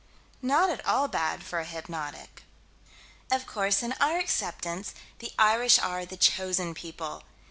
Not at all bad for a hypnotic. Of course, in our acceptance, the Irish are the Chosen People.